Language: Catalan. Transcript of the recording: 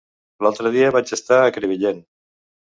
L'altre dia vaig estar a Crevillent.